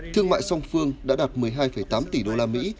thương mại song phương đã đạt một mươi hai tám tỷ đô la mỹ